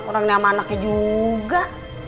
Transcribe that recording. orangnya sama anaknya juga